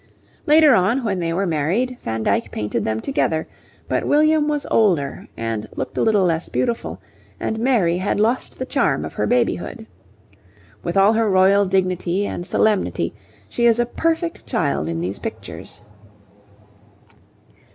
Later on, when they were married, Van Dyck painted them together, but William was older and looked a little less beautiful, and Mary had lost the charm of her babyhood. With all her royal dignity and solemnity, she is a perfect child in these pictures.